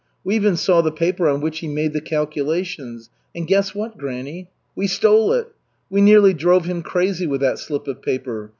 We even saw the paper on which he made the calculations; and guess what, granny, we stole it. We nearly drove him crazy with that slip of paper.